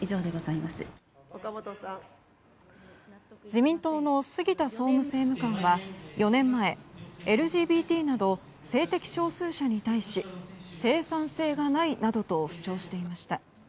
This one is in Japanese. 自民党の杉田総務政務官は４年前ＬＧＢＴなど性的少数者に対し生産性がないなどと主張していました。